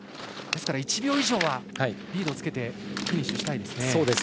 ですから１秒以上はリードをつけてフィニッシュしたいですね。